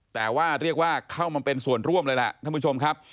แต่ว่าเรียกว่าเข้ามาเป็นส่วนร่วมเลยล่ะท่านผู้ชมครับ